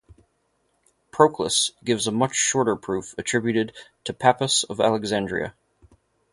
Proclus gives a much shorter proof attributed to Pappus of Alexandria.